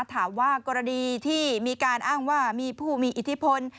ถามว่ากรณีที่มีการอ้างว่ามีผู้มีอิทธิพล